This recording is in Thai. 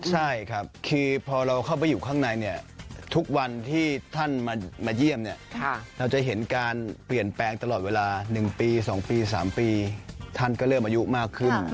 ใช่ครับคือพอเราเข้าไปอยู่ข้างในเนี่ยทุกวันที่ท่านมาเยี่ยมเนี่ยเราจะเห็นการเปลี่ยนแปลงตลอดเวลา๑ปี๒ปี๓ปีท่านก็เริ่มอายุมากขึ้น